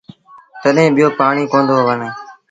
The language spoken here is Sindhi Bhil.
تڏهيݩ ٻيٚو پآڻيٚ ڪوندو وڻي۔